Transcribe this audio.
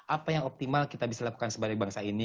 apa yang optimal kita bisa lakukan sebagai bangsa ini